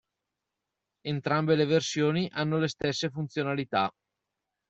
Entrambe le versioni hanno le stesse funzionalità.